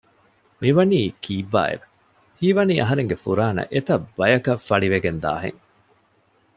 މިވަނީ ކީއްބާއެވެ؟ ހީވަނީ އަހަރެންގެ ފުރާނަ އެތައް ބަޔަކަށް ފަޅިވެގެންދާ ހެން